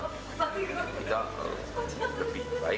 kita lebih baik